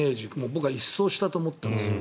僕は一掃したと思っています。